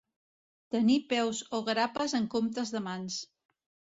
Tenir peus o grapes en comptes de mans.